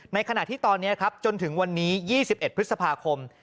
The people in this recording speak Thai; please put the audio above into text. ขณะที่ตอนนี้ครับจนถึงวันนี้๒๑พฤษภาคม